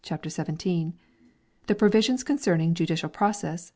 17), the provisions con cerning judicial process (ch.